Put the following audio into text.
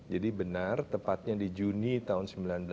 jadi benar tepatnya di juni tahun seribu sembilan ratus sembilan puluh empat